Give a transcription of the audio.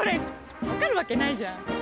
分かるわけないじゃん。